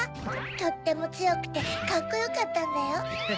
とってもつよくてカッコよかったんだよ。